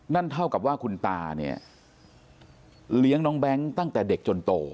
นั่นเท่ากับว่าคุณตาเนี่ยเลี้ยงน้องแบงค์ตั้งแต่เด็กจนโต